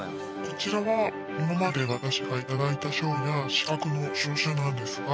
こちらは今まで私が頂いた賞や資格の証書なんですが。